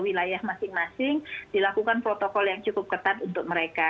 wilayah masing masing dilakukan protokol yang cukup ketat untuk mereka